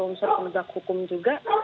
unsur penegak hukum juga